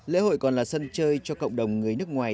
lễ hội còn là sân chơi cho cộng đồng người nước ngoài